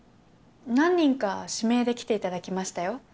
何人か指名で来ていただきましたよ。